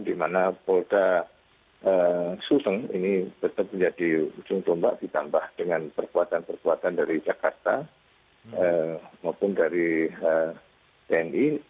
di mana polda suteng ini tetap menjadi ujung tombak ditambah dengan perkuatan perkuatan dari jakarta maupun dari tni